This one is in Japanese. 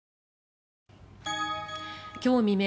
今日未明